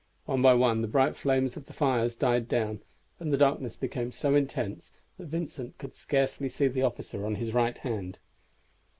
One by one the bright flames of the fires died down, and the darkness became so intense that Vincent could scarcely see the officer on his right hand.